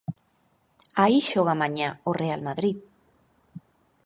Aí xoga mañá o Real Madrid.